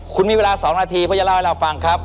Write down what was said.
คุณมีเวลา๒นาทีเพื่อจะเล่าให้เราฟังครับ